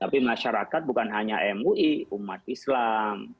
tapi masyarakat bukan hanya mui umat islam